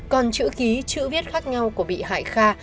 còn chữ ký chữ viết khác nhau của bị hại kha